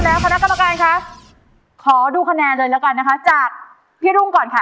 แล้วคณะกรรมการคะขอดูคะแนนเลยแล้วกันนะคะจากพี่รุ่งก่อนค่ะ